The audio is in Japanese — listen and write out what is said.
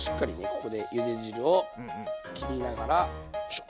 ここでゆで汁を切りながらよいしょ。